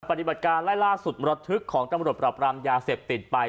ปฏิบัติการไล่ล่าสุดมรทึกของตำรวจปรับรามยาเสพติดไป